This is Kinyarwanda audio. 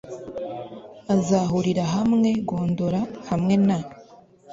azahurira hamwe gondola hamwe na